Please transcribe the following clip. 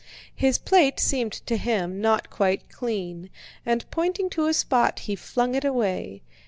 His plate seemed to him not quite clean, and pointing to a spot he flung it away.